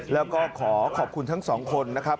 แล้วก็ขอขอบคุณทั้งสองคนนะครับ